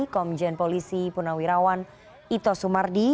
komjen polisi punawirawan ito sumardi